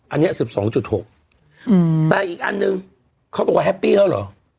อันนี้๑๒๖แต่อีกอันนึงเขาบอกว่าแฮปปี้แล้วเหรอ